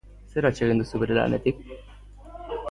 Zer atsegin duzu bere lanetik?